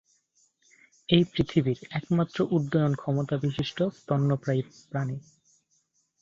এটি পৃথিবীর একমাত্র উড্ডয়ন ক্ষমতা বিশিষ্ট স্তন্যপায়ী প্রাণী।